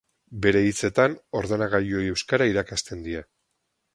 Bere hitzetan, ordenagailuei euskara irakasten die.